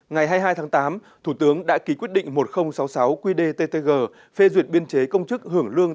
ngày hai mươi hai tháng tám thủ tướng đã ký quyết định một nghìn sáu mươi sáu qdttg phê duyệt biên chế công chức hưởng lương